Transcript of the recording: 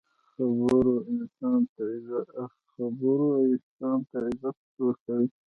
خبرو انسان ته عزت ورکوي.